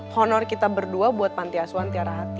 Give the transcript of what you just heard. honor kita berdua buat pantiasuan tiara hati